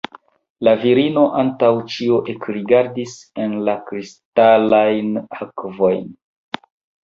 La virino antaŭ ĉio ekrigardis en la kristalajn akvojn.